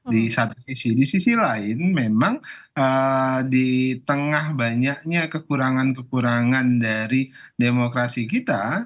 di satu sisi di sisi lain memang di tengah banyaknya kekurangan kekurangan dari demokrasi kita